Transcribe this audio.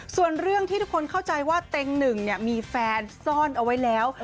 ส่วนเรื่องที่ทุกคนเข้าใจว่าเต็งหนึ่งมีแฟนซ่อนเอาไว้แล้ว